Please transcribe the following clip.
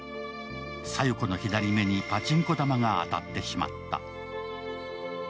小夜子の左目にパチンコ玉が当たってしまった。